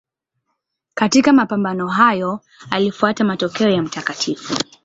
Katika mapambano hayo alifuata mapokeo ya Mt.